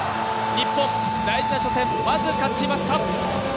日本、大事な初戦、まず勝ちました。